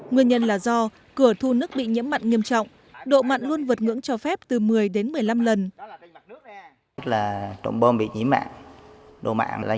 nguyên nhân là do cửa thu nước bị nhiễm mặn nghiêm trọng độ mặn luôn vượt ngưỡng cho phép từ một mươi đến một mươi năm lần